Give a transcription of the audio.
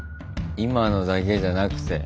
今のだけじゃなくて。